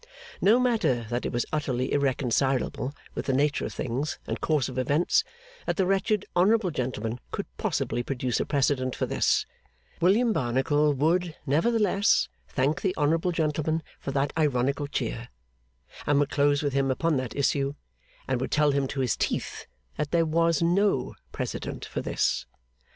No matter that it was utterly irreconcilable with the nature of things and course of events that the wretched honourable gentleman could possibly produce a Precedent for this William Barnacle would nevertheless thank the honourable gentleman for that ironical cheer, and would close with him upon that issue, and would tell him to his teeth that there Was NO Precedent for this.